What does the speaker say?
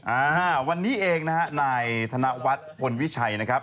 อ่าวันนี้เองนะฮะนายธนวัฒน์พลวิชัยนะครับ